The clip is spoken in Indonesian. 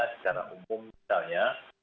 secara umum misalnya